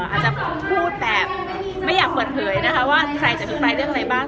อาจจะพูดแบบไม่อยากเปิดเผยนะคะว่าใครจะอภิปรายเรื่องอะไรบ้าง